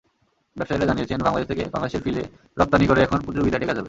ব্যবসায়ীরা জানিয়েছেন, বাংলাদেশ থেকে পাঙাশের ফিলে রপ্তানি করে এখন প্রতিযোগিতায় টেকা যাবে।